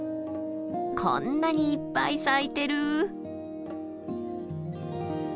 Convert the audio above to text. こんなにいっぱい咲いてる！